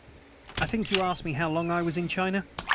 I think you asked me how long I was in China?